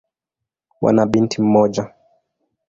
Wana binti mmoja.